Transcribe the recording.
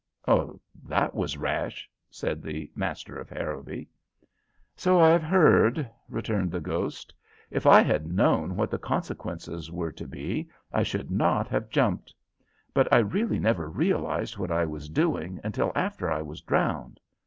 "That was rash," said the master of Harrowby. "So I've heard," returned the ghost. "If I had known what the consequences were to be I should not have jumped; but I really never realized what I was doing until after I was drowned.